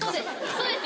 そうです。